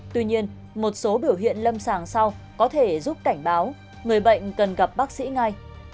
tuy nhiên một số biểu hiện lâm sàng sau có thể giúp cảnh báo người bệnh cần gặp bác sĩ ngay